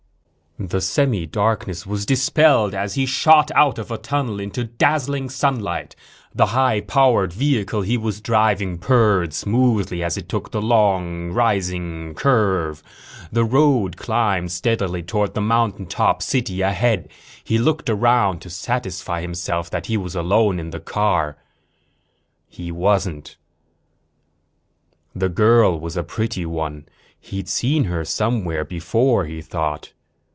_ The semi darkness was dispelled as he shot out of a tunnel into dazzling sunlight. The high powered vehicle he was driving purred smoothly as it took the long, rising curve. The road climbed steadily toward the mountaintop city ahead. He looked around to satisfy himself that he was alone in the car. He wasn't. The girl was a pretty one. He'd seen her somewhere before, he thought.